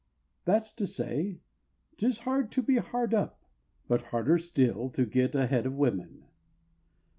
_" that's to say, "'Tis hard to be hard up, but harder still To get ahead of women."